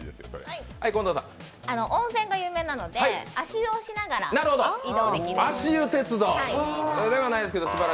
温泉が有名なので、足湯をしながら移動できる。